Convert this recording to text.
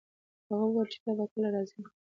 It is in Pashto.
هغه وویل چي ته به کله راځي؟